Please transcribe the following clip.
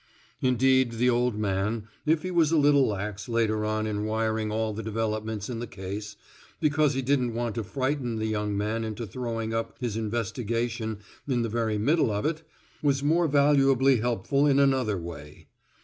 Indeed, the old man, if he was a little lax later on in wiring all the developments in the case because he didn't want to frighten the young man into throwing up his investigation in the very middle of it was more valuably helpful in another way.